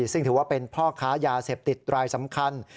ซึ่งถือว่าเป็นพ่อค้ายาเสพติดรายสำคัญ